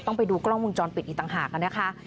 ไปดูกล้องวงจรปิดอีกต่างหากนะคะ